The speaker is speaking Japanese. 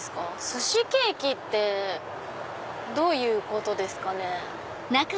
寿司ケーキってどういうことですかね。